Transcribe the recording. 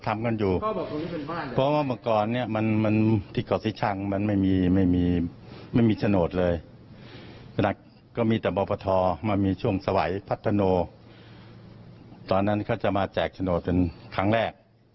มันมีช่วงสวัยพัฒโนตอนนั้นเขาจะมาแจกพัฒโนเป็นครั้งแรก